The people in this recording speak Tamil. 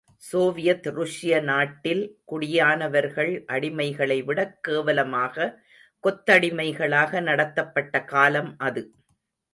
சோவியத் ருஷிய நாட்டில், குடியானவர்கள் அடிமைகளை விடக் கேவலமாக, கொத்தடிமைகளாக நடத்தப்பட்ட காலம் அது.